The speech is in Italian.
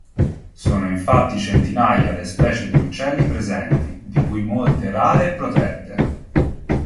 Sono infatti centinaia le specie di uccelli presenti, di cui molte rare e protette.